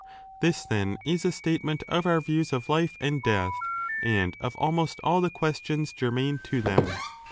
This, then, is a statement of our views of life and death 7 and of almost all the questions germane to them.